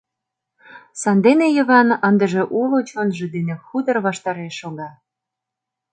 Сандене Йыван ындыже уло чонжо дене хутор ваштареш шога.